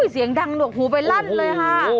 เสียงดังหนวกหูไปลั่นเลยค่ะ